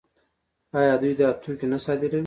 آیا دوی دا توکي نه صادروي؟